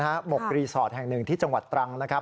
หมกรีสอร์ตแห่งหนึ่งที่จังหวัดตรัง